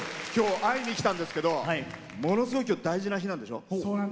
きょう会いに来たんですけどものすごい大事な日なんでしょ？